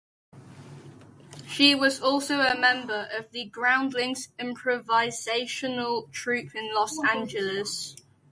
She was also a member of the Groundlings improvisational troupe in Los Angeles.